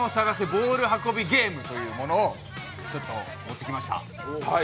ボール運びゲーム」というものを持ってきまた。